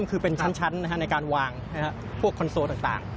คือเป็นชั้นในการวางพวกคอนโซลต่าง